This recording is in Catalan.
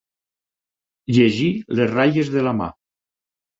Llegir les ratlles de la mà.